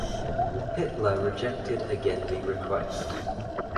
Hitler rejected again the request.